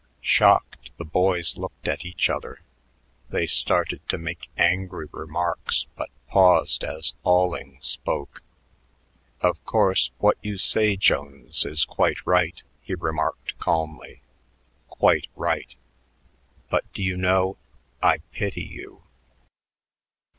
Shocked, the boys looked at each other. They started to make angry remarks but paused as Alling spoke. "Of course, what you say, Jones, is quite right," he remarked calmly, "quite right. But, do you know, I pity you."